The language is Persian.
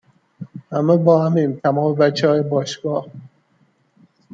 همه باهمیم تمام بچههای باشگاه